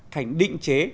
thành định chế